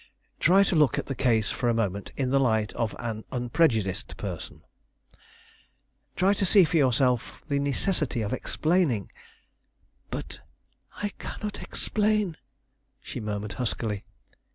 Try to look at the case for a moment in the light of an unprejudiced person; try to see for yourself the necessity of explaining " "But I cannot explain," she murmured huskily.